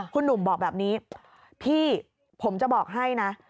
คุณหนุ่มบอกแบบนี้พี่ผมจะบอกให้นะ